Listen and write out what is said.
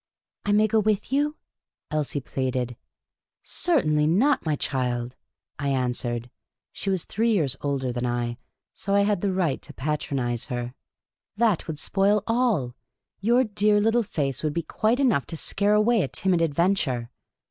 " I may go with j^ou ?" Elsie pleaded. " Certainly not^ my child," I answered — she was three years older than I, so I had the right to patronise her. " That would spoil all. Your dear little face would be quite enough to scare away a timid adventure."